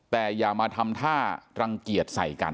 แต่อย่ามาทำท่ารังเกียจใส่กัน